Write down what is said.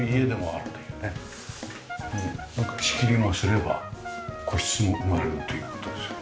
仕切りもすれば個室も生まれるという事ですよね。